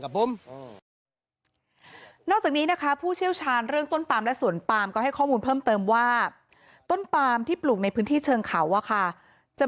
นอกจากนี้นะคะผู้เชี่ยวชาญเรื่องต้นปามและสวนปามก็ให้ข้อมูลเพิ่มเติมว่าต้นปามที่ปลูกในพื้นที่เชิงเขาอะค่ะจะ